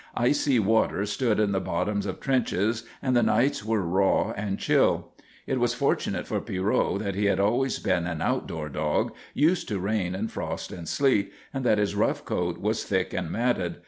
Icy water stood in the bottoms of the trenches and the nights were raw and chill. It was fortunate for Pierrot that he had always been an outdoor dog, used to rain and frost and sleet, and that his rough coat was thick and matted.